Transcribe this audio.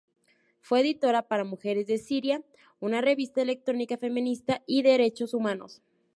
Fue editora para "Mujeres de Siria", una revista electrónica feminista y de derechos humanos.